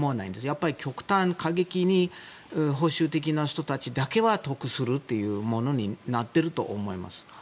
やっぱり過激に保守的な人たちだけは得するというものになってると思います。